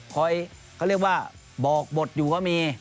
คอยเขาเรียกว่าบอกบทอยู่ว่ามี